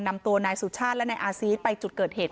นำตัวนายสุชาติและนายอาซีสไปจุดเกิดเหตุ